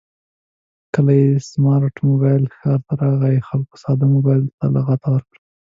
کله چې سمارټ مبایل ښار ته راغی خلکو ساده مبایل ته لغته ورکړه